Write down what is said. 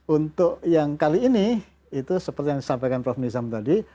untuk yang kali ini itu seperti yang disampaikan prof nizam tadi